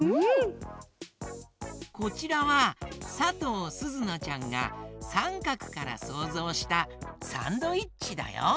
こちらはさとうすずなちゃんが「さんかく」からそうぞうしたサンドイッチだよ！